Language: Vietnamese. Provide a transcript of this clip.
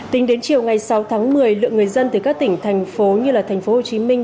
tính đến chiều ngày sáu tháng một mươi lượng người dân từ các tỉnh thành phố như thành phố hồ chí minh